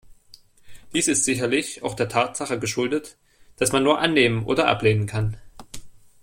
Dies ist sicherlich auch der Tatsache geschuldet, dass man nur annehmen oder ablehnen kann.